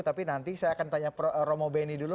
tapi nanti saya akan tanya romo beni dulu